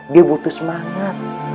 dia butuh semangat